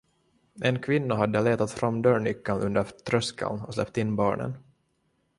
En kvinna hade letat fram dörrnyckeln under tröskeln och släppt in barnen.